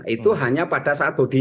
itu hanya pada saat bodi